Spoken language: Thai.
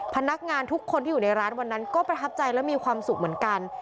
พนักงานทุกคนที่อยู่ในร้านวันนั้นก็ประทับใจและมีความสุขเหมือนกัน